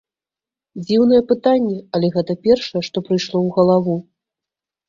Дзіўнае пытанне, але гэта першае, што прыйшло ў галаву.